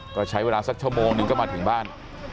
ก็ใช้เวลาสักชั่วโมงหนึ่งก็มาถึงบ้าน